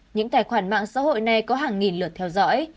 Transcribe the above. những tài khoản mạng xã hội này có hàng nghìn lượt theo dõi